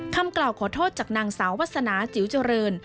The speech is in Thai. คำกล่าวขอโทษจากนางสาววาสนาจิ๋วเจริญ